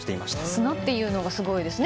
砂っていうのがすごいですね。